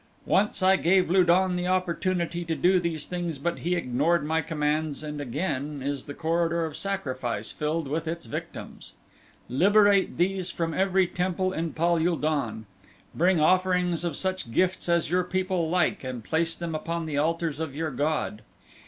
"Once I gave Lu don the opportunity to do these things but he ignored my commands, and again is the corridor of sacrifice filled with its victims. Liberate these from every temple in Pal ul don. Bring offerings of such gifts as your people like and place them upon the altars of your god.